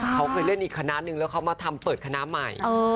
เขาเคยเล่นอีกคณะหนึ่งแล้วเขามาทำเปิดคณะใหม่